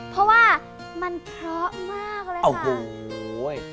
เพราะว่ามันเพราะมากเลยค่ะ